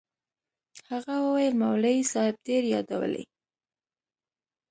هغه وويل مولوي صاحب ډېر يادولې.